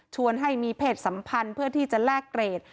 ให้มีเพศสัมพันธ์เพื่อที่จะแลกเกรด